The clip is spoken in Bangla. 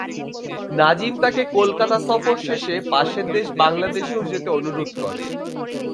নাজিম তাঁকে কলকাতা সফর শেষে পাশের দেশ বাংলাদেশেও যেতে অনুরোধ করে।